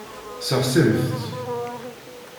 Sexsimt-t.